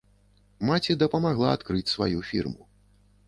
Маці дапамагла адкрыць сваю фірму.